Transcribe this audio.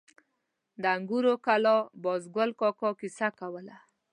د انګورو کلا بازګل کاکا کیسه کوله.